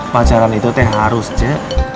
pelajaran itu teh harus je